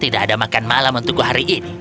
tidak ada makan malam untukku hari ini